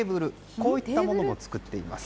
こういったものを作っています。